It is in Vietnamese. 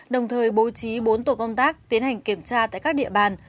đồng thời bố trí bốn tổ công tác tiến hành kiểm tra tại các địa bàn